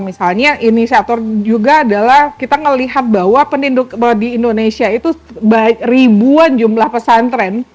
misalnya inisiator juga adalah kita melihat bahwa di indonesia itu ribuan jumlah pesantren